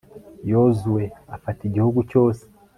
yozuwe afata igihugu cyose